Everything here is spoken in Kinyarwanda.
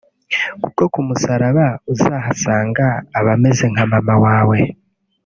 Kuko ku musaraba uzahasanga abameze nka mama wawe